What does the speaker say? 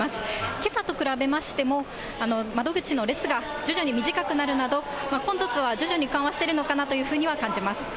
けさと比べましても、窓口の列が徐々に短くなるなど、混雑は徐々に緩和してるのかなというふうには感じます。